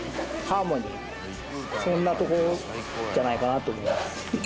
そんなとこじゃないかなと思います。